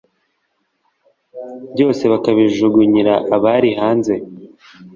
byose bakabijugunyira abari hanze